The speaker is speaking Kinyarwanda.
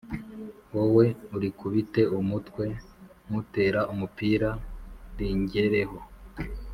wowe urikubite umutwe nk’utera umupira ringereho